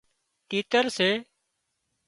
تيتر سي